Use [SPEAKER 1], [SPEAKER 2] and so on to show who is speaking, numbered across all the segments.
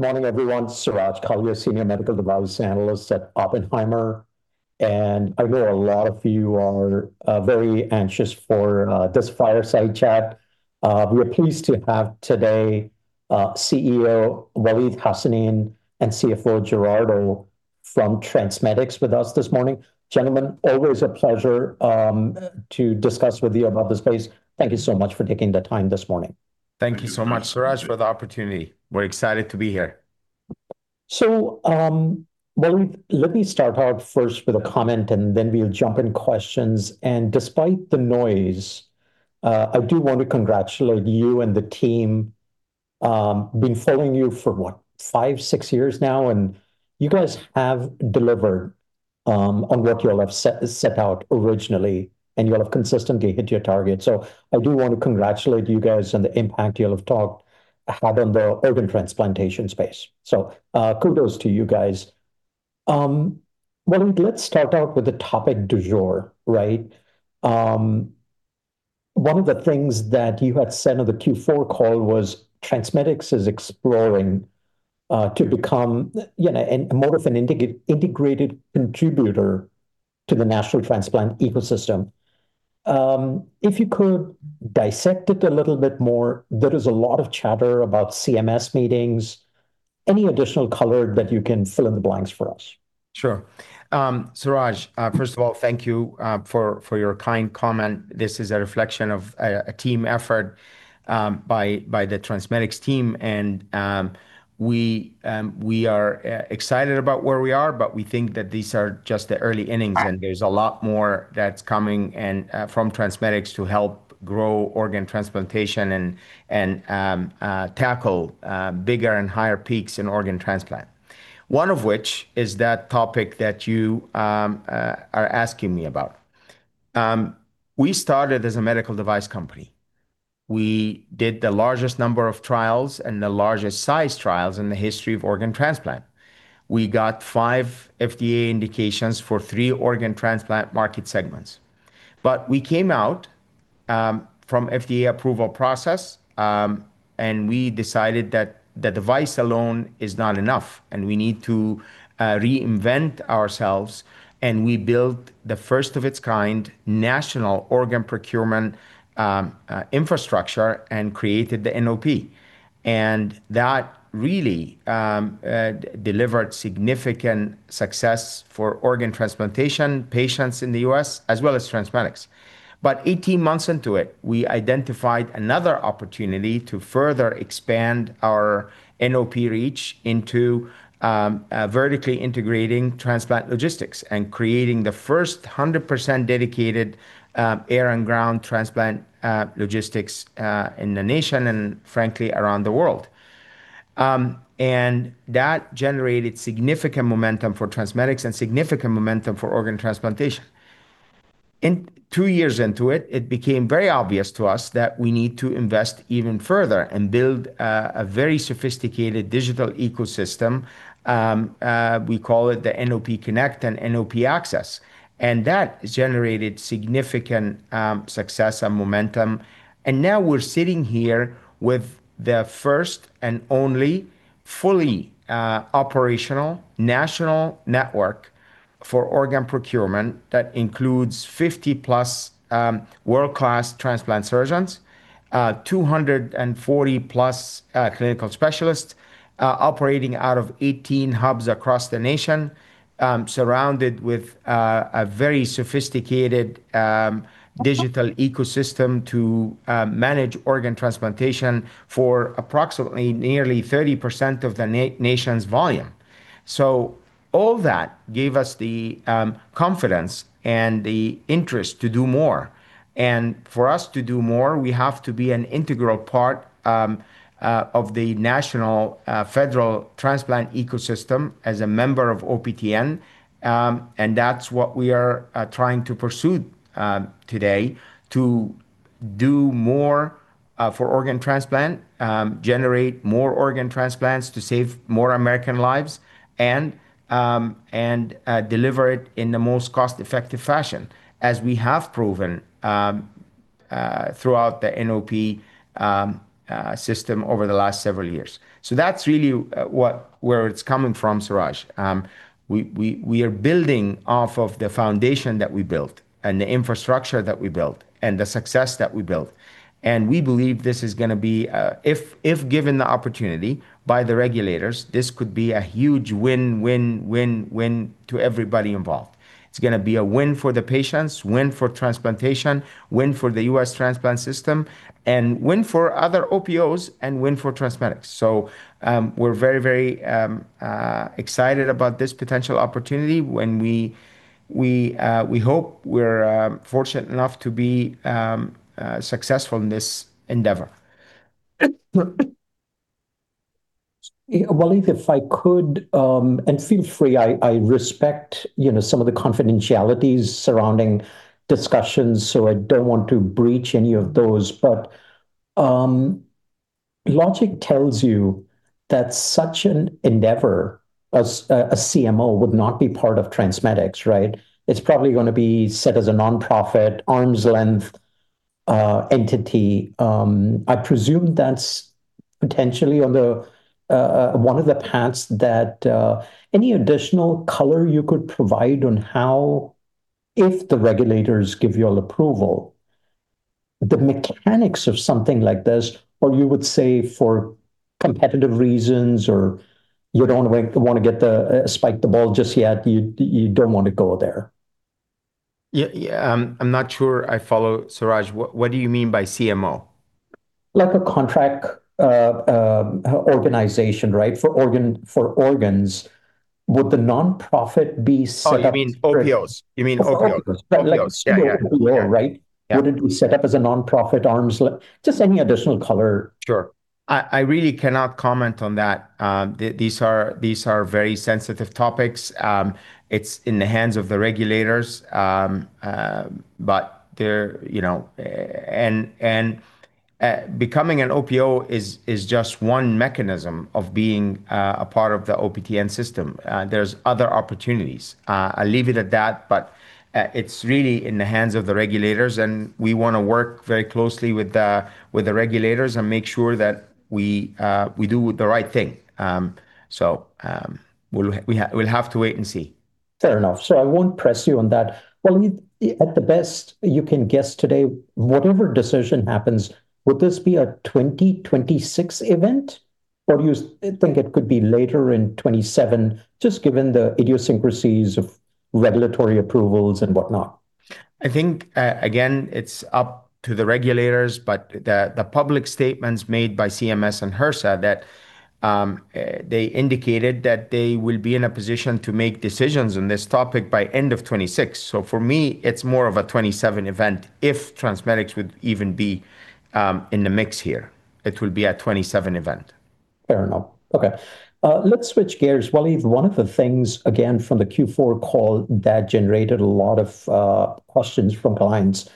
[SPEAKER 1] Good morning, everyone. Suraj Kalia, Senior Medical Devices Analyst at Oppenheimer. I know a lot of you are very anxious for this fireside chat. We're pleased to have today CEO Waleed Hassanein and CFO Gerardo Hernandez-Omana from TransMedics with us this morning. Gentlemen, always a pleasure to discuss with you about the space. Thank you so much for taking the time this morning.
[SPEAKER 2] Thank you so much, Suraj, for the opportunity. We're excited to be here.
[SPEAKER 1] Waleed, let me start out first with a comment, and then we'll jump into questions. Despite the noise, I do want to congratulate you and the team. Been following you for what? 5, 6 years now, and you guys have delivered on what you all have set out originally, and you all have consistently hit your target. I do want to congratulate you guys on the impact you all have had on the organ transplantation space. Kudos to you guys. Waleed, let's start out with the topic du jour, right? One of the things that you had said on the Q4 call was TransMedics is exploring to become, you know, more of an integrated contributor to the national transplant ecosystem. If you could dissect it a little bit more, there is a lot of chatter about CMS meetings. Any additional color that you can fill in the blanks for us?
[SPEAKER 2] Sure. Suraj, first of all, thank you for your kind comment. This is a reflection of a team effort by the TransMedics team. We are excited about where we are, but we think that these are just the early innings, and there's a lot more that's coming from TransMedics to help grow organ transplantation and tackle bigger and higher peaks in organ transplant. One of which is that topic that you are asking me about. We started as a medical device company. We did the largest number of trials and the largest size trials in the history of organ transplant. We got five FDA indications for three organ transplant market segments. We came out from FDA approval process, and we decided that the device alone is not enough, and we need to reinvent ourselves. We built the first of its kind national organ procurement infrastructure and created the NOP. That really delivered significant success for organ transplantation patients in the U.S. as well as TransMedics. 18 months into it, we identified another opportunity to further expand our NOP reach into vertically integrating transplant logistics and creating the first 100% dedicated air and ground transplant logistics in the nation and frankly, around the world. That generated significant momentum for TransMedics and significant momentum for organ transplantation. Two years into it became very obvious to us that we need to invest even further and build a very sophisticated digital ecosystem. We call it the NOP Connect and NOP Access, and that generated significant success and momentum. Now we're sitting here with the first and only fully operational national network for organ procurement that includes 50+ world-class transplant surgeons, 240+ clinical specialists, operating out of 18 hubs across the nation, surrounded with a very sophisticated digital ecosystem to manage organ transplantation for approximately nearly 30% of the nation's volume. All that gave us the confidence and the interest to do more. For us to do more, we have to be an integral part of the national federal transplant ecosystem as a member of OPTN. That's what we are trying to pursue today to do more for organ transplant, generate more organ transplants to save more American lives and deliver it in the most cost-effective fashion, as we have proven throughout the NOP system over the last several years. That's really where it's coming from, Suraj. We are building off of the foundation that we built and the infrastructure that we built and the success that we built. We believe this is gonna be, if given the opportunity by the regulators, this could be a huge win-win-win-win to everybody involved. It's gonna be a win for the patients, win for transplantation, win for the U.S. transplant system, and win for other OPOs, and win for TransMedics. We're very excited about this potential opportunity when we hope we're fortunate enough to be successful in this endeavor.
[SPEAKER 1] Waleed, if I could and feel free, I respect, you know, some of the confidentialities surrounding discussions, so I don't want to breach any of those. Logic tells you that such an endeavor as a CMO would not be part of TransMedics, right? It's probably gonna be set as a nonprofit arm's length entity. I presume that's potentially on the one of the paths that any additional color you could provide on how if the regulators give you all approval, the mechanics of something like this, or you would say for competitive reasons, or you don't want to get the spike the ball just yet, you don't want to go there.
[SPEAKER 2] Yeah, yeah. I'm not sure I follow, Suraj. What do you mean by CMO?
[SPEAKER 1] Like a contract organization, right? For organs. Would the nonprofit be set up?
[SPEAKER 2] Oh, you mean OPOs.
[SPEAKER 1] For OPOs.
[SPEAKER 2] OPOs. Yeah, yeah.
[SPEAKER 1] right?
[SPEAKER 2] Yeah.
[SPEAKER 1] Would it be set up as a nonprofit arm? Just any additional color.
[SPEAKER 2] Sure. I really cannot comment on that. These are very sensitive topics. It's in the hands of the regulators, but they're, you know. Becoming an OPO is just one mechanism of being a part of the OPTN system. There's other opportunities. I'll leave it at that, but it's really in the hands of the regulators, and we wanna work very closely with the regulators and make sure that we do the right thing. We'll have to wait and see.
[SPEAKER 1] Fair enough. I won't press you on that. Waleed, at the best you can guess today, whatever decision happens, would this be a 2026 event, or do you think it could be later in 2027, just given the idiosyncrasies of regulatory approvals and whatnot?
[SPEAKER 2] I think, again, it's up to the regulators, but the public statements made by CMS and HRSA that they indicated that they will be in a position to make decisions on this topic by end of 2026. For me, it's more of a 2027 event if TransMedics would even be in the mix here. It will be a 2027 event.
[SPEAKER 1] Fair enough. Okay. Let's switch gears. Waleed, one of the things, again, from the Q4 call that generated a lot of questions from clients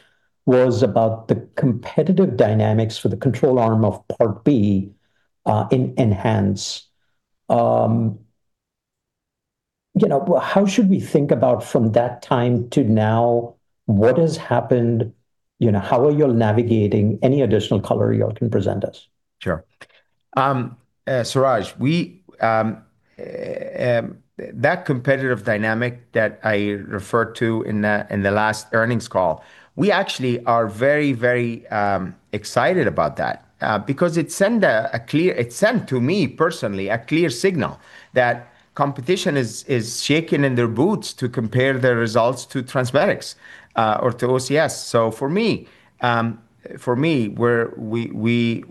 [SPEAKER 1] was about the competitive dynamics for the control arm of Part B in ENHANCE. You know, how should we think about from that time to now what has happened? You know, how are you navigating any additional color you all can present us?
[SPEAKER 2] Sure. Suraj, that competitive dynamic that I referred to in the last earnings call, we actually are very excited about that, because it sent to me personally a clear signal that competition is shaking in their boots to compare their results to TransMedics or to OCS. For me,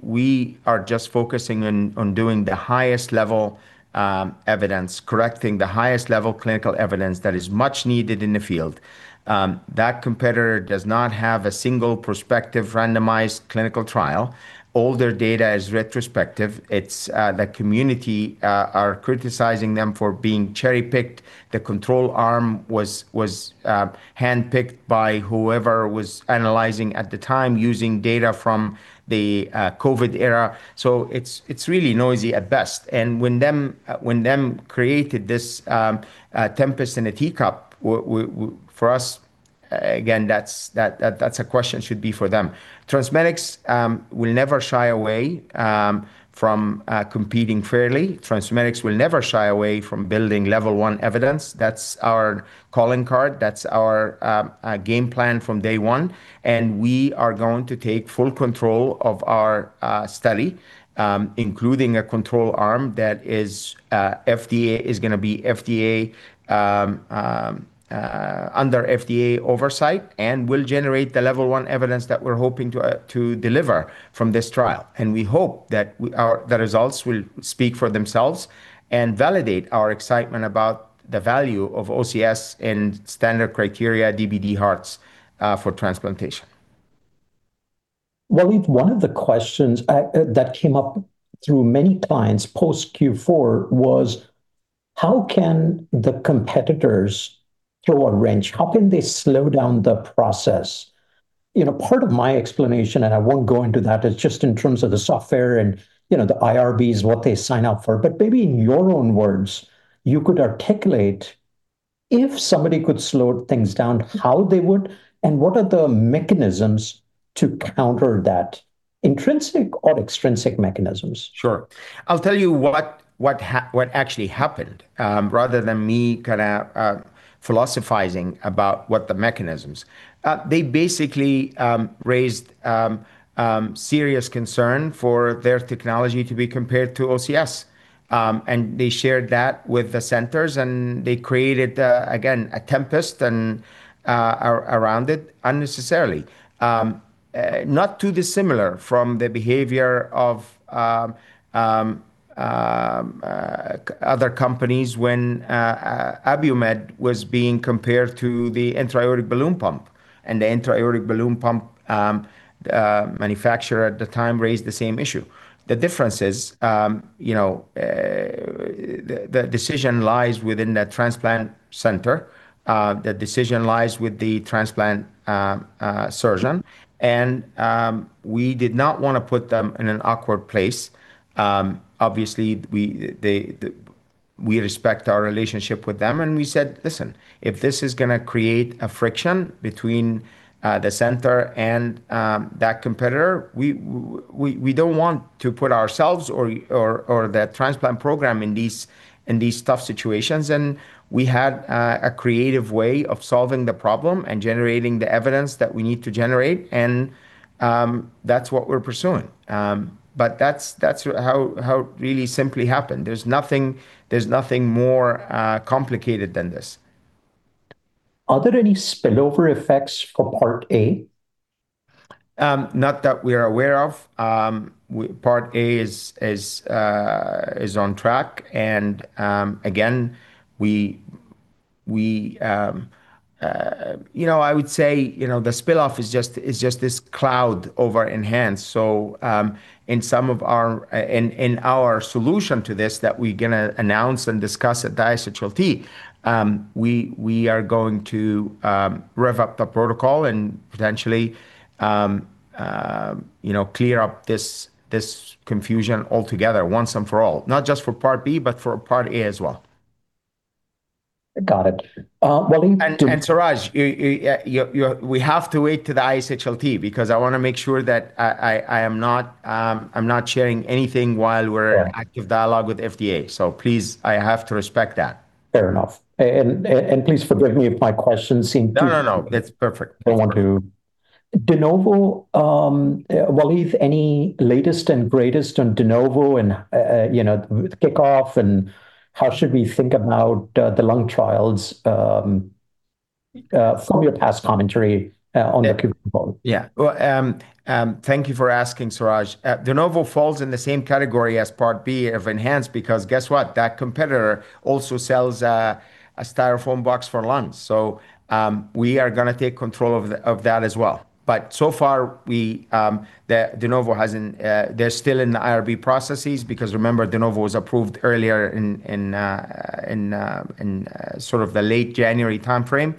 [SPEAKER 2] we are just focusing on doing the highest level evidence, collecting the highest level clinical evidence that is much needed in the field. That competitor does not have a single prospective randomized clinical trial. All their data is retrospective. The community are criticizing them for being cherry-picked. The control arm was handpicked by whoever was analyzing at the time using data from the COVID era. It's really noisy at best. When they created this tempest in a teacup for us, again, that's a question that should be for them. TransMedics will never shy away from competing fairly. TransMedics will never shy away from building level one evidence. That's our calling card. That's our game plan from day one, and we are going to take full control of our study, including a control arm that is FDA, is gonna be FDA under FDA oversight and will generate the level one evidence that we're hoping to deliver from this trial. We hope the results will speak for themselves and validate our excitement about the value of OCS and standard criteria DBD hearts for transplantation.
[SPEAKER 1] Waleed, one of the questions that came up through many clients post Q4 was: How can the competitors throw a wrench? How can they slow down the process? You know, part of my explanation, and I won't go into that, is just in terms of the software and, you know, the IRBs, what they sign up for. Maybe in your own words, you could articulate if somebody could slow things down, how they would, and what are the mechanisms to counter that, intrinsic or extrinsic mechanisms.
[SPEAKER 2] Sure. I'll tell you what actually happened, rather than me kinda philosophizing about what the mechanisms. They basically raised serious concern for their technology to be compared to OCS. They shared that with the centers, and they created, again, a tempest and around it unnecessarily. Not too dissimilar from the behavior of other companies when Abiomed was being compared to the intra-aortic balloon pump, and the intra-aortic balloon pump manufacturer at the time raised the same issue. The difference is, you know, the decision lies within the transplant center. The decision lies with the transplant surgeon. We did not wanna put them in an awkward place. Obviously, we respect our relationship with them, and we said, "Listen, if this is gonna create a friction between the center and that competitor, we don't want to put ourselves or that transplant program in these tough situations." We had a creative way of solving the problem and generating the evidence that we need to generate, and that's what we're pursuing. That's how it really simply happened. There's nothing more complicated than this.
[SPEAKER 1] Are there any spillover effects for Part A?
[SPEAKER 2] Not that we are aware of. Part A is on track. Again, you know, I would say, you know, the spillover is just this cloud over ENHANCE. In our solution to this that we're gonna announce and discuss at the ISHLT, we are going to rev up the protocol and potentially, you know, clear up this confusion altogether once and for all, not just for Part B, but for Part A as well.
[SPEAKER 1] Got it. Waleed-
[SPEAKER 2] Suraj, you, we have to wait till the ISHLT because I wanna make sure that I'm not sharing anything while we're.
[SPEAKER 1] Yeah
[SPEAKER 2] In active dialogue with FDA. Please, I have to respect that.
[SPEAKER 1] Fair enough. Please forgive me if my questions seem to
[SPEAKER 2] No, no. That's perfect.
[SPEAKER 1] De Novo, Waleed, any latest and greatest on De Novo and, you know, with kickoff, and how should we think about the lung trials from your past commentary on the phone?
[SPEAKER 2] Yeah. Well, thank you for asking, Suraj. De Novo falls in the same category as Part B of ENHANCE because guess what? That competitor also sells a Styrofoam box for lungs. We are gonna take control of that as well. So far, the De Novo hasn't. They are still in the IRB processes because remember, De Novo was approved earlier in sort of the late January timeframe.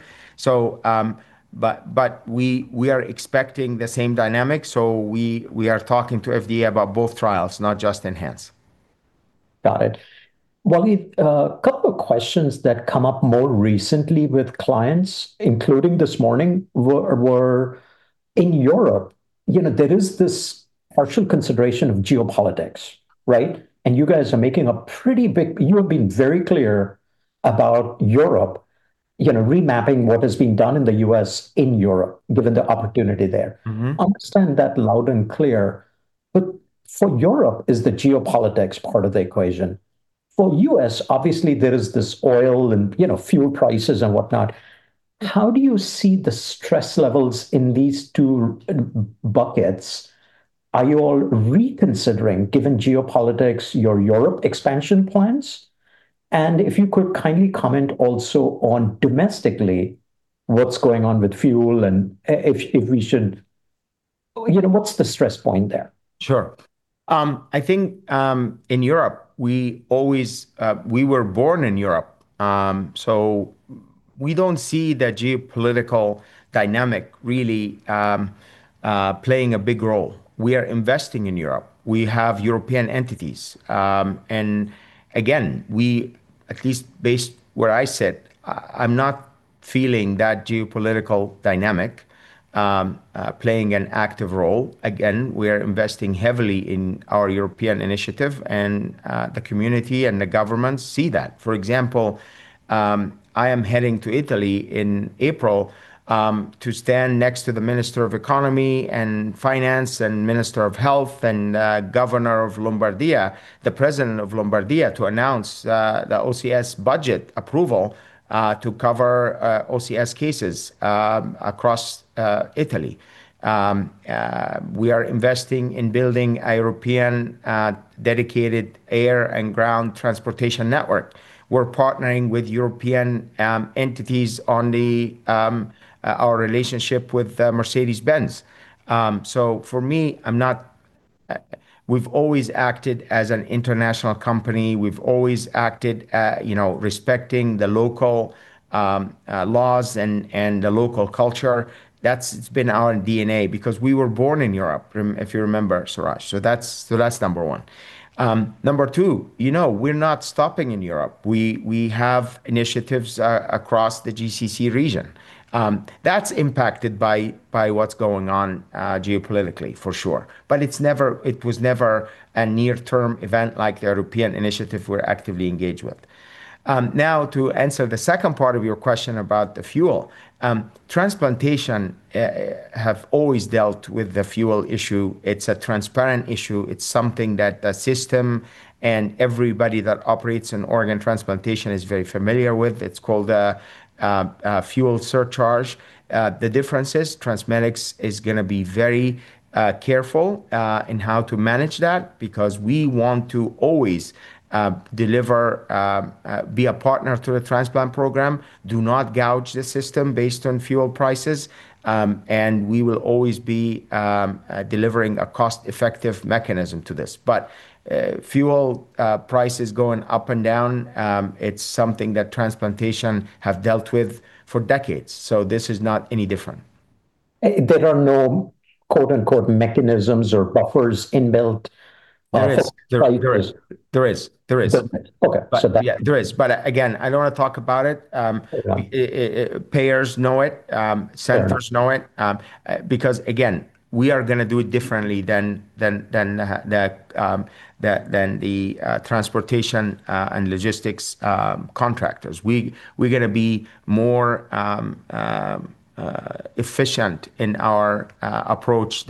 [SPEAKER 2] We are expecting the same dynamic. We are talking to FDA about both trials, not just ENHANCE.
[SPEAKER 1] Got it. Waleed, a couple of questions that come up more recently with clients, including this morning, we're in Europe. You know, there is this particular consideration of geopolitics, right? You have been very clear about Europe, you know, remapping what has been done in the U.S. in Europe, given the opportunity there.
[SPEAKER 2] Mm-hmm.
[SPEAKER 1] Understand that loud and clear. For Europe, is the geopolitics part of the equation? For U.S., obviously, there is this oil and, you know, fuel prices and whatnot. How do you see the stress levels in these two buckets? Are you all reconsidering, given geopolitics, your Europe expansion plans? If you could kindly comment also on domestically, what's going on with fuel and if we should. You know, what's the stress point there?
[SPEAKER 2] Sure. I think in Europe, we were born in Europe, so we don't see the geopolitical dynamic really playing a big role. We are investing in Europe. We have European entities. Again, we at least based where I sit, I'm not feeling that geopolitical dynamic playing an active role. Again, we are investing heavily in our European initiative, and the community and the government see that. For example, I am heading to Italy in April to stand next to the Minister of Economy and Finance and Minister of Health and Governor of Lombardia, the President of Lombardia, to announce the OCS budget approval to cover OCS cases across Italy. We are investing in building a European dedicated air and ground transportation network. We're partnering with European entities on our relationship with Mercedes-Benz. For me, we've always acted as an international company. We've always acted, you know, respecting the local laws and the local culture. That's been our DNA because we were born in Europe, if you remember, Suraj. That's number one. Number two, you know, we're not stopping in Europe. We have initiatives across the GCC region. That's impacted by what's going on geopolitically for sure. It was never a near-term event like the European initiative we're actively engaged with. Now to answer the second part of your question about the fuel in transplantation. We have always dealt with the fuel issue. It's a transparent issue. It's something that the system and everybody that operates in organ transplantation is very familiar with. It's called a fuel surcharge. The difference is TransMedics is gonna be very careful in how to manage that because we want to always deliver be a partner to the transplant program, do not gouge the system based on fuel prices, and we will always be delivering a cost-effective mechanism to this. Fuel prices going up and down, it's something that transplantation have dealt with for decades. This is not any different.
[SPEAKER 1] There are no quote-unquote mechanisms or buffers inbuilt.
[SPEAKER 2] There is.
[SPEAKER 1] Okay.
[SPEAKER 2] Yeah, there is. Again, I don't wanna talk about it.
[SPEAKER 1] Okay.
[SPEAKER 2] Payers know it.
[SPEAKER 1] Fair enough.
[SPEAKER 2] Centers know it, because again, we are gonna do it differently than the transportation and logistics contractors. We're gonna be more cost-efficient in our approach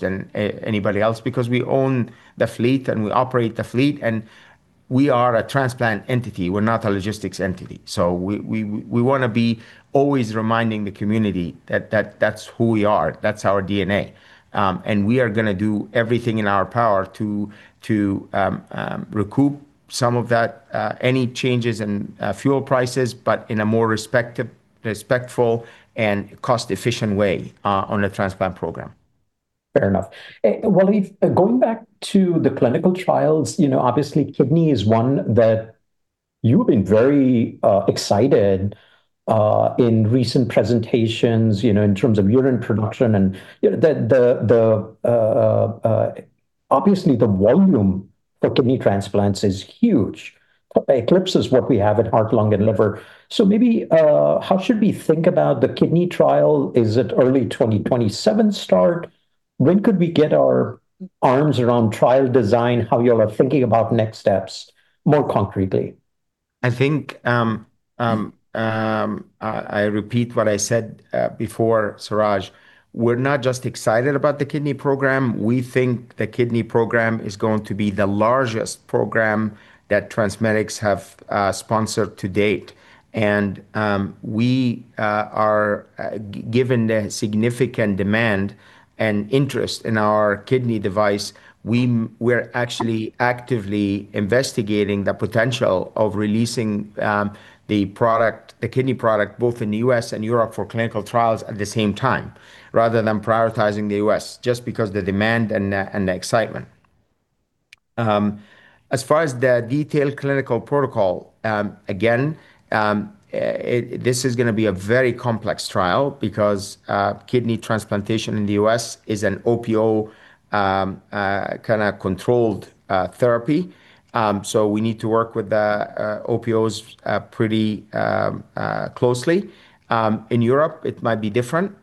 [SPEAKER 2] than anybody else because we own the fleet, and we operate the fleet, and we are a transplant entity. We're not a logistics entity. We wanna be always reminding the community that that's who we are, that's our DNA. We are gonna do everything in our power to recoup some of that any changes in fuel prices, but in a more respectful and cost-efficient way on the transplant program.
[SPEAKER 1] Fair enough. Waleed, going back to the clinical trials, you know, obviously kidney is one that you've been very excited in recent presentations, you know, in terms of urine production and, you know, obviously the volume for kidney transplants is huge. Eclipses what we have at heart, lung, and liver. Maybe, how should we think about the kidney trial? Is it early 2027 start? When could we get our arms around trial design, how y'all are thinking about next steps more concretely?
[SPEAKER 2] I think I repeat what I said before, Suraj. We're not just excited about the kidney program. We think the kidney program is going to be the largest program that TransMedics have sponsored to date. Given the significant demand and interest in our kidney device, we're actually actively investigating the potential of releasing the product, the kidney product both in the U.S. and Europe for clinical trials at the same time, rather than prioritizing the U.S., just because the demand and the excitement. As far as the detailed clinical protocol, again, this is gonna be a very complex trial because kidney transplantation in the U.S. is an OPO kinda controlled therapy. We need to work with the OPOs pretty closely. In Europe, it might be different.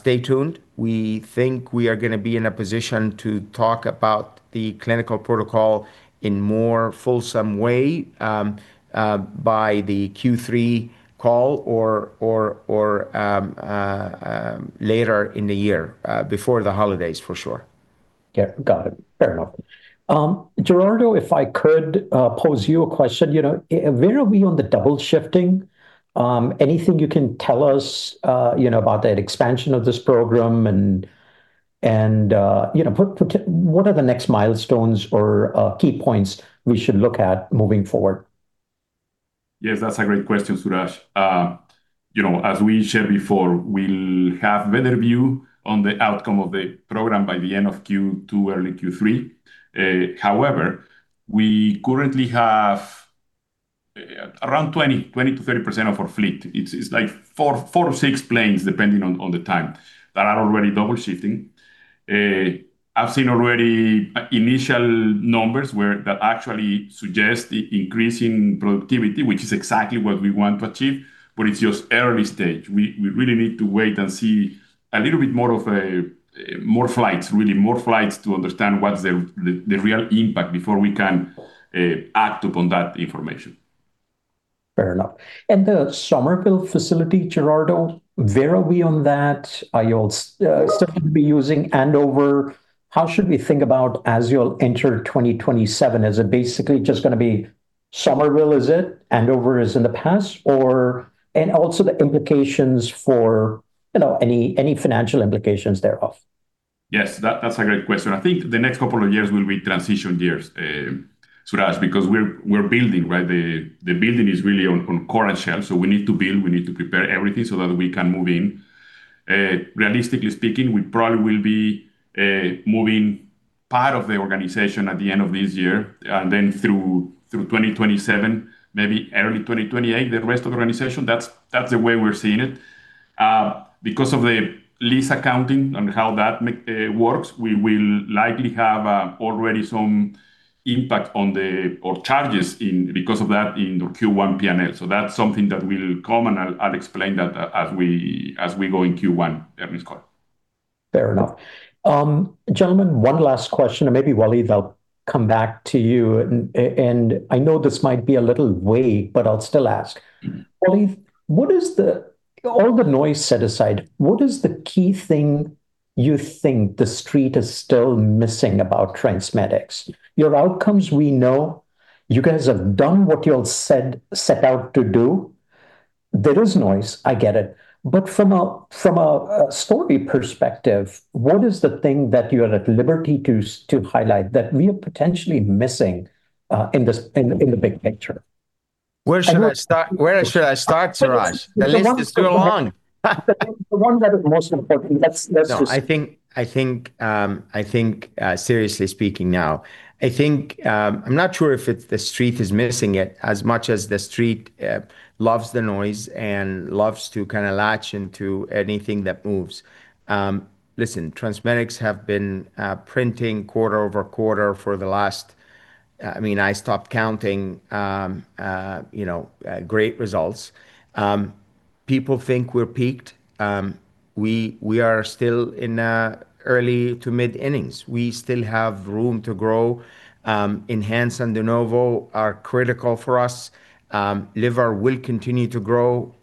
[SPEAKER 2] Stay tuned. We think we are gonna be in a position to talk about the clinical protocol in more fulsome way by the Q3 call or later in the year before the holidays for sure.
[SPEAKER 1] Yeah. Got it. Fair enough. Gerardo, if I could pose you a question. You know, where are we on the double shifting? Anything you can tell us, you know, about that expansion of this program and you know, what are the next milestones or key points we should look at moving forward?
[SPEAKER 3] Yes, that's a great question, Suraj. You know, as we shared before, we'll have better view on the outcome of the program by the end of Q2, early Q3. However, we currently have around 20%-30% of our fleet. It's like four to six planes, depending on the time, that are already double shifting. I've seen already initial numbers that actually suggest increasing productivity, which is exactly what we want to achieve, but it's just early stage. We really need to wait and see a little bit more flights, really, more flights to understand what's the real impact before we can act upon that information.
[SPEAKER 1] Fair enough. The Somerville facility, Gerardo, where are we on that? Are you all still gonna be using Andover? How should we think about as you'll enter 2027? Is it basically just gonna be Somerville, is it, Andover is in the past? Also the implications for, you know, any financial implications thereof.
[SPEAKER 3] Yes. That's a great question. I think the next couple of years will be transition years, Suraj, because we're building, right? The building is really on core and shell. So we need to build. We need to prepare everything so that we can move in. Realistically speaking, we probably will be moving part of the organization at the end of this year, and then through 2027, maybe early 2028, the rest of the organization. That's the way we're seeing it. Because of the lease accounting and how that works, we will likely have already some impact on the P&L or charges in the Q1 P&L because of that. So that's something that will come, and I'll explain that as we go in Q1 earnings call.
[SPEAKER 1] Fair enough. Gentlemen, one last question, and maybe, Waleed, I'll come back to you. I know this might be a little way, but I'll still ask.
[SPEAKER 2] Mm-hmm.
[SPEAKER 1] Waleed, all the noise set aside, what is the key thing you think the street is still missing about TransMedics? Your outcomes we know. You guys have done what you all set out to do. There is noise, I get it. From a story perspective, what is the thing that you are at liberty to highlight that we are potentially missing in the big picture?
[SPEAKER 2] Where should I start, Suraj? The list is too long.
[SPEAKER 1] The one that is most important, let's just-
[SPEAKER 2] No, I think seriously speaking now, I'm not sure if the street is missing it as much as the street loves the noise and loves to kinda latch into anything that moves. Listen, TransMedics have been printing quarter-over-quarter for the last, I mean, I stopped counting, you know, great results. People think we're peaked. We are still in early to mid-innings. We still have room to grow. ENHANCE and De Novo are critical for us. Liver will continue to grow.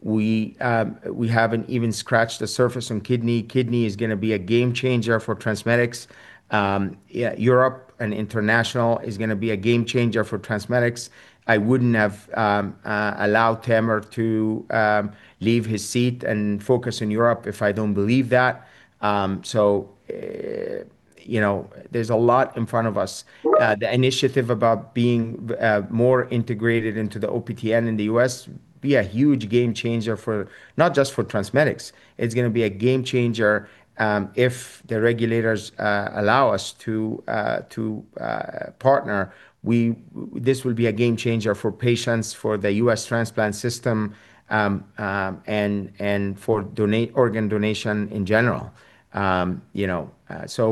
[SPEAKER 2] We haven't even scratched the surface on kidney. Kidney is gonna be a game changer for TransMedics. Yeah, Europe and international is gonna be a game changer for TransMedics. I wouldn't have allowed Tamer to leave his seat and focus on Europe if I don't believe that. You know, there's a lot in front of us. The initiative about being more integrated into the OPTN in the U.S. will be a huge game changer for, not just for TransMedics, it's gonna be a game changer if the regulators allow us to partner. This will be a game changer for patients, for the U.S. transplant system, and for organ donation in general. You know,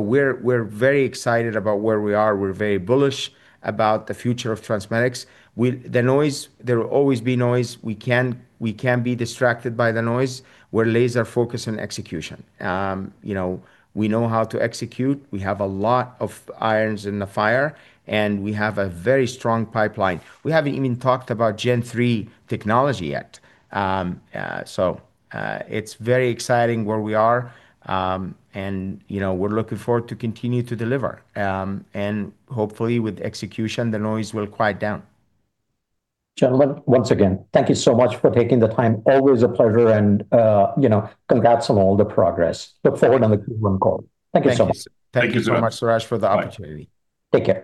[SPEAKER 2] we're very excited about where we are. We're very bullish about the future of TransMedics. The noise, there will always be noise. We can't be distracted by the noise. We're laser-focused on execution. You know, we know how to execute. We have a lot of irons in the fire, and we have a very strong pipeline. We haven't even talked about Gen III technology yet. It's very exciting where we are. You know, we're looking forward to continue to deliver. Hopefully with execution, the noise will quiet down.
[SPEAKER 1] Gentlemen, once again, thank you so much for taking the time. Always a pleasure and, you know, congrats on all the progress. Look forward on the Q1 call. Thank you so much.
[SPEAKER 2] Thank you. Thank you so much, Suraj, for the opportunity.
[SPEAKER 1] Take care.